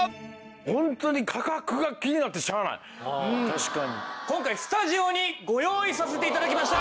ホントに今回スタジオにご用意させて頂きました。